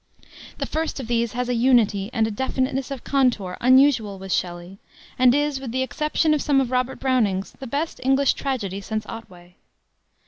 The first of these has a unity, and a definiteness of contour unusual with Shelley, and is, with the exception of some of Robert Browning's, the best English tragedy since Otway.